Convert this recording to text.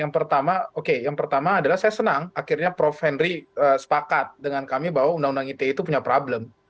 yang pertama oke yang pertama adalah saya senang akhirnya prof henry sepakat dengan kami bahwa undang undang ite itu punya problem